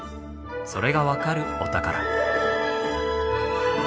それが分かるお宝。